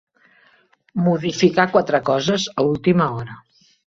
Modificar quatre coses a última hora.